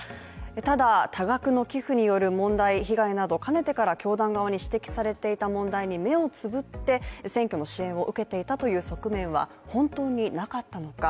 ただ、多額の寄付による問題被害などかねてから教団側に指摘されていた問題に目をつぶって選挙の支援を受けていたという側面は本当になかったのか。